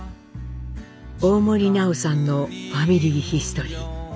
大森南朋さんのファミリーヒストリー。